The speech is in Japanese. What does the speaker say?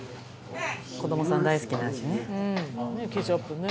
「子供さん大好きな味ね」